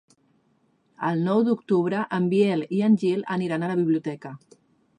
El nou d'octubre en Biel i en Gil aniran a la biblioteca.